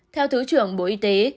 theo thứ trưởng bộ y tế